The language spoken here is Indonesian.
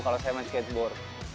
kalau saya main skateboard